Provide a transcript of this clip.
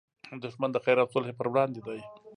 دښمن د خیر او صلحې پر وړاندې دی